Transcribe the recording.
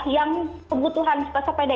yang kebutuhan sepeda